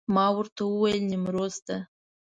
ما ورته وویل نیمروز ته.